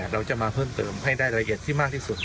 เราจะมาเพิ่มเติมให้ได้ละเอียดที่มากที่สุด